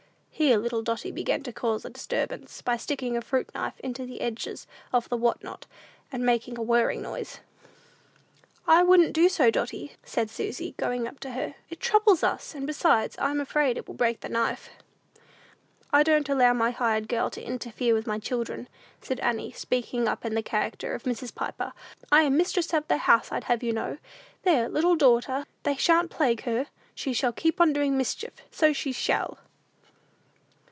Here little Dotty began to cause a disturbance, by sticking a fruit knife into the edges of the "what not," and making a whirring noise. "I wouldn't do so, Dotty," said Susy, going up to her; "it troubles us; and, besides, I'm afraid it will break the knife." "I don't allow my hired girl to interfere with my children," said Annie, speaking up in the character of Mrs. Piper; "I am mistress of the house, I'd have you to know! There, little daughter, they shan't plague her; she shall keep on doing mischief; so she shall!"